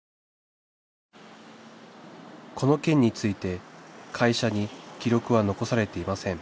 この件について会社に記録は残されていません